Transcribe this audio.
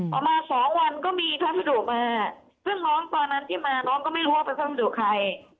ประมาณ๒วันก็มีพัฒนธุมาเพิ่งน้องตอนนั้นที่มาน้องก็ไม่รู้ว่าพัฒนธุใคร